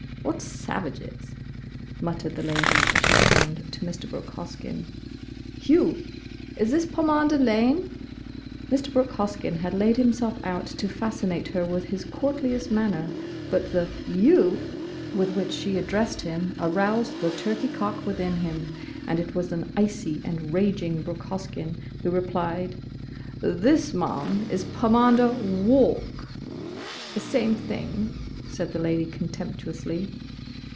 "What savages!" muttered the Lady as she turned to Mr. Brooke Hoskyn. "You! Is this Pomander Lane?" Mr. Brooke Hoskyn had laid himself out to fascinate her with his courtliest manner, but the "You!" with which she addressed him aroused the turkey cock within him, and it was an icy and raging Brooke Hoskyn who replied, "This, ma'am, is Pomander Walk!" "Same thing," said the Lady contemptuously.